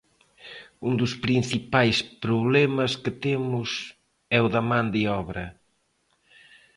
Un dos principais problemas que temos é o da man de obra.